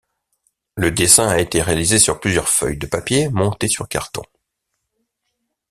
Le dessin a été réalisé sur plusieurs feuilles de papier montées sur carton.